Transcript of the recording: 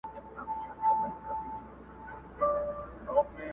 تر څو به نوي جوړوو زاړه ښارونه سوځو؟!